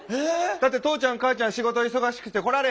だって父ちゃん母ちゃん仕事忙しくて来られへんの。